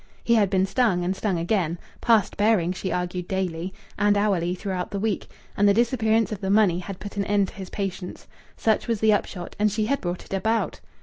He had been stung and stung again, past bearing (she argued) daily and hourly throughout the week, and the disappearance of the money had put an end to his patience. Such was the upshot, and she had brought it about!